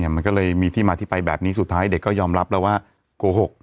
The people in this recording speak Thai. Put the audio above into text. มันก็เลยมีที่มาที่ไปแบบนี้สุดท้ายเด็กก็ยอมรับแล้วว่าโกหก